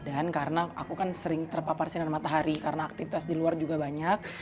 jadi dengan perawatan lulur dan masker badan aku sering terpapar sinar matahari karena aktivitas di luar juga banyak